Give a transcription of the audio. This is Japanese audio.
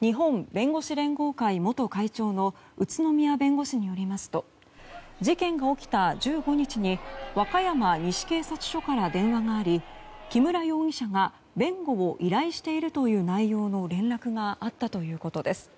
日本弁護士連合会元会長の宇都宮弁護士によりますと事件が起きた１５日に和歌山西警察署から電話があり木村容疑者が弁護を依頼しているという内容の連絡があったということです。